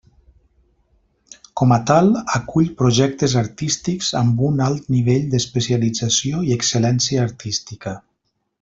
Com a tal, acull projectes artístics amb un alt nivell d'especialització i excel·lència artística.